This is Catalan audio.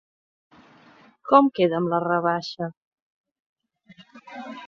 Com queda amb la rebaixa?